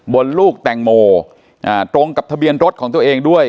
ลูกแตงโมตรงกับทะเบียนรถของตัวเองด้วย